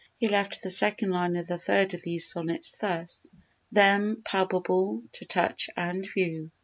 He left the second line of the third of these sonnets thus: "Them palpable to touch and view."